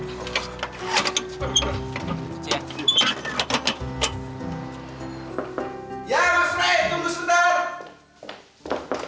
iya mas frey tunggu sebentar